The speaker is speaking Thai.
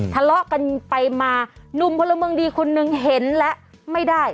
ทะเลาะกันไปมาหนุ่มพลเมืองดีคนนึงเห็นและไม่ได้